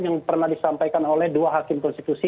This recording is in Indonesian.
yang pernah disampaikan oleh dua hakim konstitusi